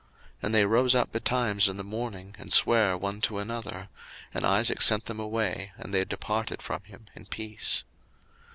01:026:031 And they rose up betimes in the morning, and sware one to another: and Isaac sent them away, and they departed from him in peace.